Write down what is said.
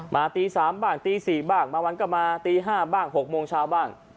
ตี๓บ้างตี๔บ้างบางวันก็มาตี๕บ้าง๖โมงเช้าบ้าง